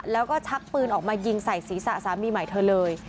แล้วก็ชักปืนออกมายิงใส่ศีรษะสามีใหม่เธอเลย